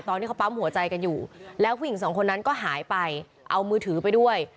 ตอนที่เขาปั๊มหัวใจกันอยู่แล้วผู้หญิงสองคนนั้นก็หายไปเอามือถือไปด้วย